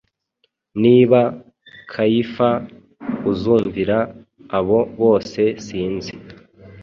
Niba Kayifa uzumvira abo bose sinzi